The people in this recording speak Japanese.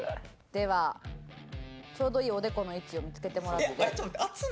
ではちょうどいいおでこの位置を見つけてもらって。